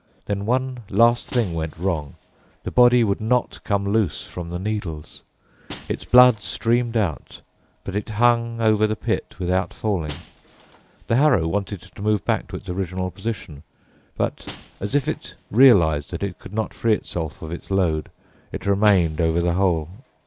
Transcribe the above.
Then one last thing went wrong: the body would not come loose from the needles. Its blood streamed out, but it hung over the pit without falling. The harrow wanted to move back to its original position, but, as if it realized that it could not free itself of its load, it remained over the hole.